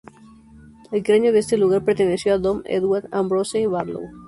El cráneo de este lugar perteneció a Dom Edward Ambrose Barlow.